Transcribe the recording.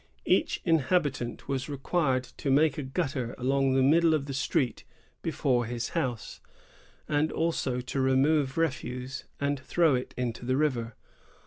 Each inhabi tant was required to make a gutter along the middle of the street before his house, and also to remove refuse and throw it into the river.